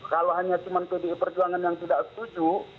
kalau hanya cuma pdi perjuangan yang tidak setuju